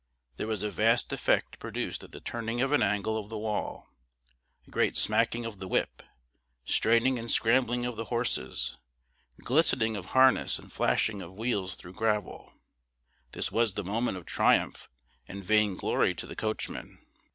There was a vast effect produced at the turning of an angle of the wall a great smacking of the whip, straining and scrambling of the horses, glistening of harness, and flashing of wheels through gravel. This was the moment of triumph and vainglory to the coachman.